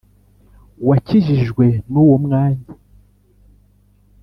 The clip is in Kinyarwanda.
Wakijijwe n uwo mwanya